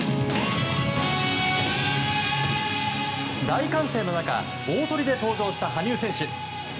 大歓声の中大トリで登場した羽生選手。